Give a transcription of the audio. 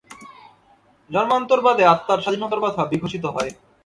জন্মান্তরবাদে আত্মার স্বাধীনতার কথা বিঘোষিত হয়।